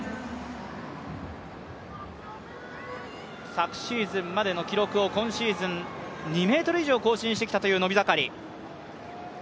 昨シーズンまでの記録を今シーズン、２ｍ以上更新してきたという伸び盛り。